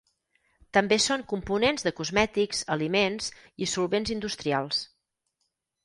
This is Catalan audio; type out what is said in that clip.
També són components de cosmètics, aliments, i solvents industrials.